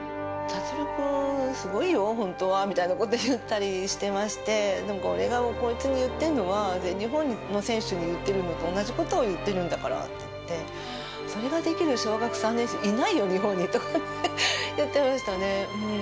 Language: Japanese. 立君、すごいよ本当は見たいなこと言ったりしてまして、俺がこいつに言ってるのは、全日本の選手に言ってるのと同じことを言っているんだからって言って、それができる小学３年生いないよ、日本にとかって言ってましたね。